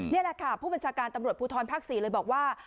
นี่แหละค่ะผู้บัญชาการตำรวจภูทรภาค๔เลยบอกว่า